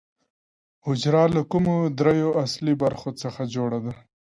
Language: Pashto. حجره له کومو درېیو اصلي برخو څخه جوړه ده